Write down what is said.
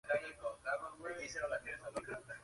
Este es un rasgo común en todos los mamíferos.